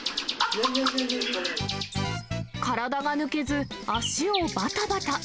体が抜けず、足をばたばた。